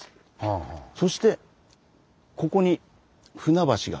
そしてここに船橋が。